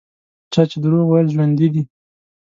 چا چې دروغ ویل ژوندي دي.